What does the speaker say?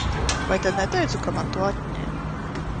Vai tad neteicu, ka man to atņēma?